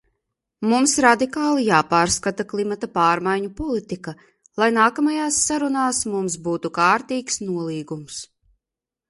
Mums radikāli jāpārskata klimata pārmaiņu politika, lai nākamajās sarunās mums būtu kārtīgs nolīgums.